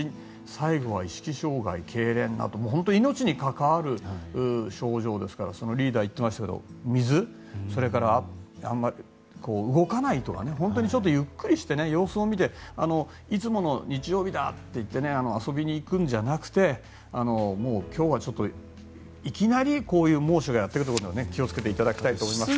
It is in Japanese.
最後は意識障害、けいれんなど本当に命に関わる症状ですからリーダーが言っていましたけど水、それからあまり動かないとか本当にゆっくりして、様子を見ていつもの日曜日だ！と言って遊びに行くんじゃなくて今日は猛暑などには気を付けていただきたいと思います。